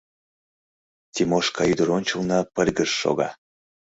Тимошка ӱдыр ончылно пыльгыж шога.